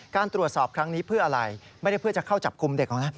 การตรวจสอบครั้งนี้เพื่ออะไรไม่ได้เพื่อจะเข้าจับกลุ่มเด็กหรอกนะ